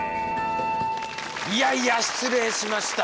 いやいや失礼しました。